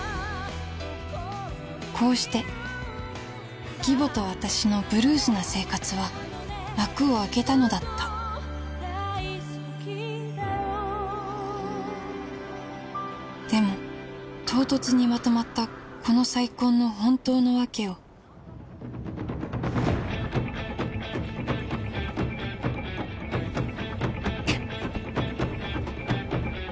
こうして義母と私のブルースな生活は幕を開けたのだったでも唐突にまとまったこの再婚の本当のわけをケッ！